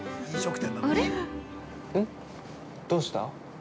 どうした？